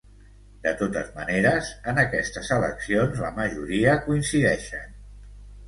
De tota manera, en aquestes eleccions, la majoria coincideixen.